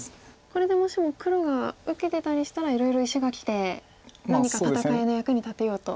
これでもしも黒が受けてたりしたらいろいろ石がきて何か戦いの役に立てようと。